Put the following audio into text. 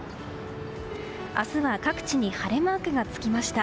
明日は各地に晴れマークがつきました。